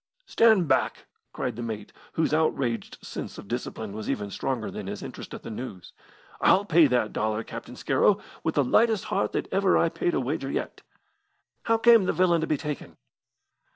"Stand back!" cried the mate, whose outraged sense of discipline was even stronger than his interest at the news. "I'll pay that dollar, Captain Scarrow, with the lightest heart that ever I paid a wager yet. How came the villain to be taken?"